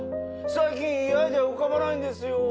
最近いいアイデア浮かばないんですよ。